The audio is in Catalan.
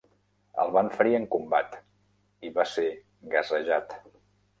El van ferir en combat i va ser gasejat.